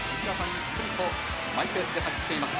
ゆっくりとマイペースで走っています